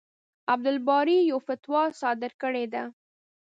عبدالباري يوه فتوا صادره کړې ده.